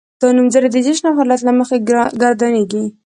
دا نومځري د جنس او حالت له مخې ګردانیږي.